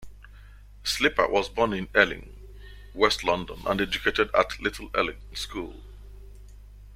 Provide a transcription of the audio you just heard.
Slipper was born in Ealing, west London, and educated at Little Ealing School.